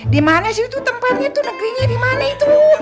di mana sih tempatnya tuh negerinya di mana itu